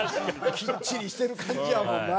きっちりしてる感じやもんな。